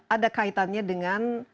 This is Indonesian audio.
ada kaitannya dengan